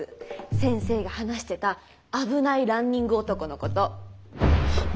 先生が話してた「危ないランニング男」のこと。